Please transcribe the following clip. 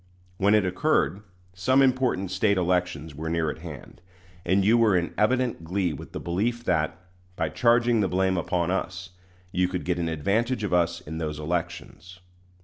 When it occurred, some important State elections were near at hand, and you were in evident glee with the belief that, by charging the blame upon us, you could get an advantage of us in those elections.